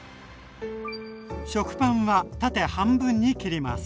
食パンは縦半分に切ります。